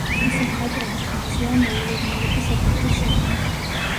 მისი მხატვრული ფუნქციაა მოულოდნელობის ეფექტის შექმნა.